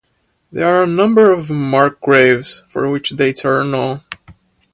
There are a number of unmarked graves, for which dates are unknown.